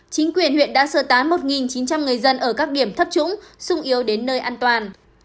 chính quyền huyện đã sơ tán một chín trăm linh người dân ở các điểm thấp trúng yếu đến nơi an toàn